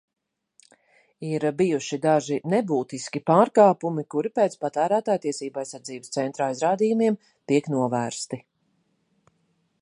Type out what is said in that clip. Ir bijuši daži nebūtiski pārkāpumi, kuri pēc Patērētāju tiesību aizsardzības centra aizrādījumiem tiek novērsti.